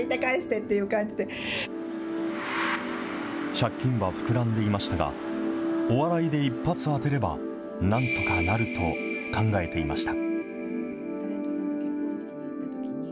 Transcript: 借金は膨らんでいましたが、お笑いで一発当てればなんとかなると考えていました。